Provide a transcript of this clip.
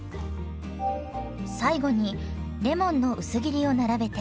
最後にレモンの薄切りを並べて。